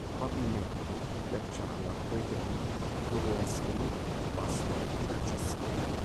Probabilmente il ghiacciaio a quei tempi doveva essere molto più vasto e inaccessibile.